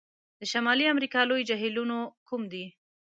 د شمالي امریکا لوی جهیلونو کوم دي؟